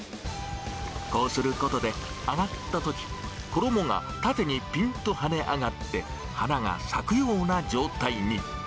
こうすることで揚がったとき、衣が縦にぴんとはね上がって、花が咲くような状態に。